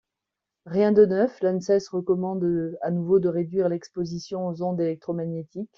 Rien de neuf, l’ANSES recommande à nouveau de réduire l’exposition aux ondes électromagnétiques.